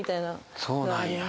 そうなんや。